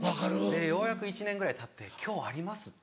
でようやく１年ぐらいたって「今日あります」って。